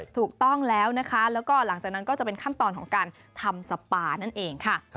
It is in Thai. ถูกต้องแล้วนะคะแล้วก็หลังจากนั้นก็จะเป็นขั้นตอนของการทำสปานั่นเองค่ะ